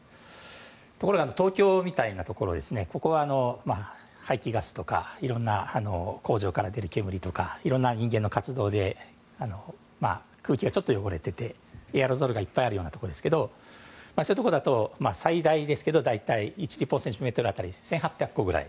ところが、東京みたいなそういうところは排気ガスとかいろんな工場から出る煙とか人間の活動で空気がちょっと汚れていてエアロゾルがいっぱいあるようなところですがそういうところだと、最大１立方センチメートル当たり１８００個ぐらい。